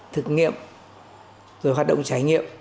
thực nghiệm rồi hoạt động trải nghiệm